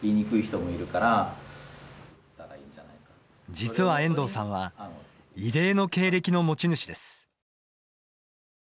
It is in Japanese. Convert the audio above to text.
実は遠藤さんは異例の経歴の持ち主です。